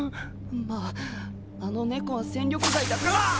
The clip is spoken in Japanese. まぁあの“猫”は戦力外だうわっ！